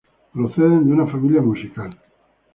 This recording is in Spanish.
Proceden de una familia musical.